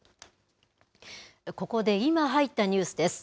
ここで、今入ったニュースです。